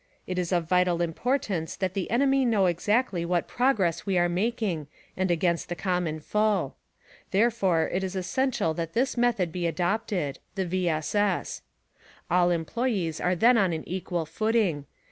It is of vital importance that the enemy know exactly what progress we are making and against the common foe. Therefore it is essential that this method be adopted — the V. S. S. Ail employees are then on an equal footing.